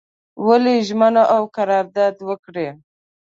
ولي ژمنه او قرارداد وکړي.